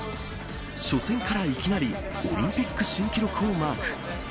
初戦からいきなりオリンピック新記録をマーク。